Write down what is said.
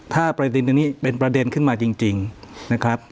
ถ้าประเด็นอันนี้เป็นประเด็นขึ้นมาจริงนะครับ